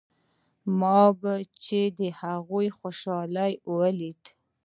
ما به چې د هغې خوشالي وليده.